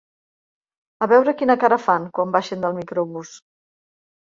A veure quina cara fan, quan baixin del microbús.